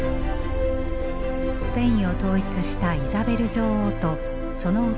スペインを統一したイザベル女王とその夫